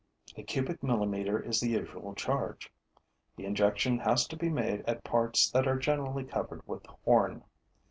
A cubic millimeter is the usual charge. The injection has to be made at parts that are generally covered with horn.